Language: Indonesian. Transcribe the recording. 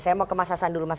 saya mau ke mas hasan dulu mas